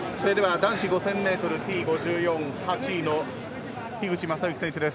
男子５０００ｍＴ５４８位の樋口政幸選手です。